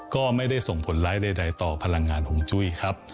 ก็ไม่ได้ส่งผลร้ายใดต่อพลังงานห่วงจุ้ยครับ